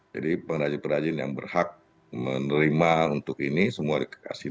jadi pengrajin pengrajin yang berhak menerima untuk ini semua dikasih